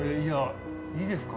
いいですか？